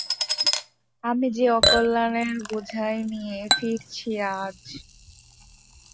আমি যে অকল্যাণের বোঝাই নিয়ে ফিরছি আজ।